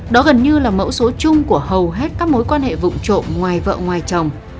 đó gần như là mẫu số chung của hầu hết các mối quan hệ vụng trộm ngoài vợ ngoài chồng